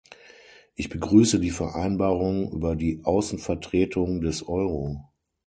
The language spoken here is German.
Ich begrüße die Vereinbarung über die Außenvertretung des Euro.